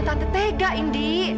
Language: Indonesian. tante tegas indi